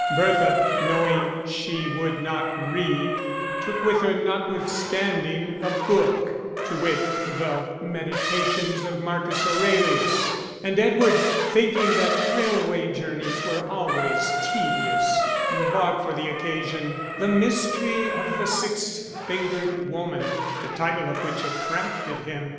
Bertha, knowing she would not read, took with her notwithstanding a book, to wit the Meditations of Marcus Aurelius; and Edward, thinking that railway journeys were always tedious, bought for the occasion The Mystery of the Six fingered Woman, the title of which attracted him.